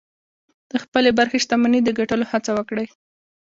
د خپلې برخې شتمني د ګټلو هڅه وکړئ.